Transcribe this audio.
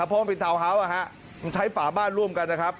ครับเพราะว่าเป็นทาวน์ฮาวอ่ะฮะใช้ฝาบ้านร่วมกันนะครับ